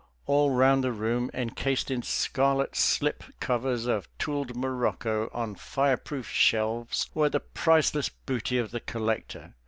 All round the room, encased in scarlet slip covers of tooled morocco, on fireproof shelves, were the priceless booty of the collector.